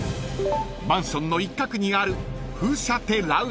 ［マンションの一角にある］